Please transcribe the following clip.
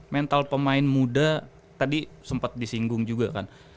mental pemain muda tadi sempat disinggung juga kan